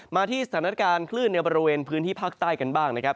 มาที่สถานการณ์คลื่นในบริเวณพื้นที่ภาคใต้กันบ้างนะครับ